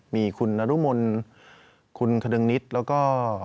มีคุณอารุมมนต์คุณขดงนิสแล้วก็